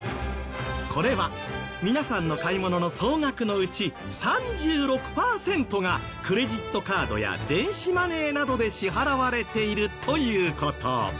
これは皆さんの買い物の総額のうち３６パーセントがクレジットカードや電子マネーなどで支払われているという事。